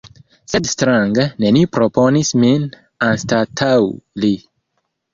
Sed strange: neniu proponis min anstataŭ li!